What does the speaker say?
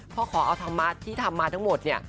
เพราะขอเอาธรรมะที่ทำมาทั้งหมดเนี่ย